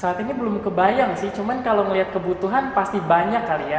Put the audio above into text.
saat ini belum kebayang sih cuman kalau melihat kebutuhan pasti banyak kali ya